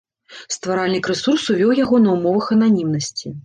Стваральнік рэсурсу вёў яго на ўмовах ананімнасці.